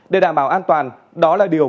để đảm bảo an toàn đó là điều